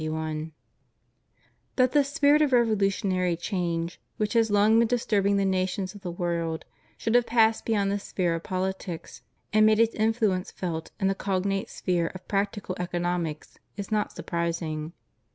That the spirit of revolutionary change, which has long been disturbing the nations of the world, should have passed beyond the sphere of pohtics and made its influence felt in the cognate sphere of practical economics is not sur prising.